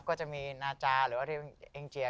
ก็จะมีนาจาหรือว่าเอ็งเจีย